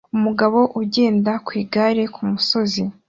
Umugabo ugenda ku igare kumusozi